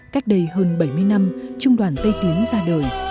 cách đây hơn bảy mươi năm trung đoàn tây tiến ra đời